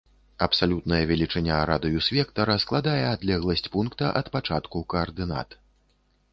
Абсалютная велічыня радыус-вектара складае адлегласць пункта ад пачатку каардынат.